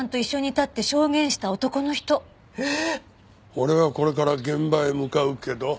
俺はこれから現場へ向かうけど？